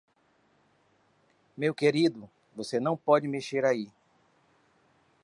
Meu querido, você não pode mexer aí.